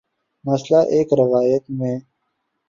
مثلا ایک روایت میں